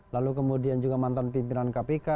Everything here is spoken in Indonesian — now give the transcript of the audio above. lalu kemudian juga mantan pimpinan kpk